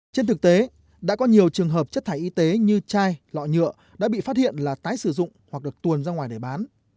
trên thực tế đã có nhiều trường hợp chất thải y tế như chai lọ nhựa đã bị phát hiện là tái sử dụng hoặc được tuồn ra ngoài để bán